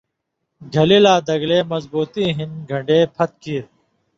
گھلی لا دگلے مضبوطی ہِن گن٘ڈے پھت کېر۔